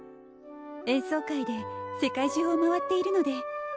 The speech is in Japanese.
演奏会で世界中をまわっているので。